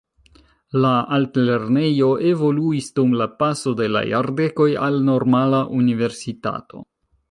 La altlernejo evoluis dum la paso de la jardekoj al normala universitato.